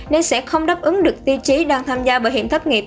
nên sẽ không đáp ứng được tiêu chí đang tham gia bảo hiểm thất nghiệp